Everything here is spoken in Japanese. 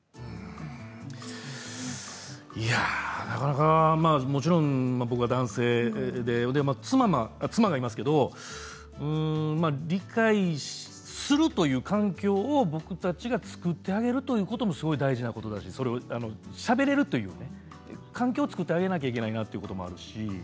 なかなか、もちろん僕は男性で妻がいますけれど理解するという環境を僕たちが作ってあげるということもすごく大事なことだししゃべれるという環境を作ってあげなくてはいけないなということもあるし